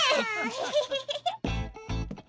ヘヘヘヘヘ！